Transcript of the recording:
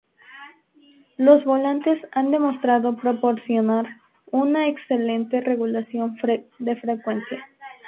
Los volantes han demostrado proporcionar una excelente regulación de frecuencia.